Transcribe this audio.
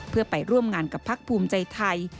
เพื่อไปร่วมงานกับพักภูมิใจไทย